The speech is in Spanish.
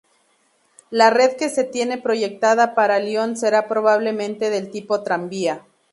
La red que se tiene proyectada para Lyon será probablemente del tipo tranvía.